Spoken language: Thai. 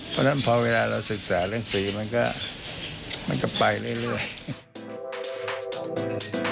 เพราะฉะนั้นพอเวลาเราศึกษาเรื่องสีมันก็ไปเรื่อย